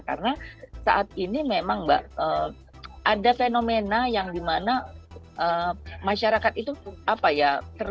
karena saat ini memang mbak ada fenomena yang dimana masyarakat itu apa ya